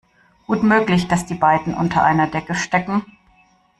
Gut möglich, dass die beiden unter einer Decke stecken.